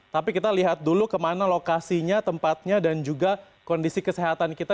tapi kita lihat dulu kemana lokasinya tempatnya dan juga kondisi kesehatan kita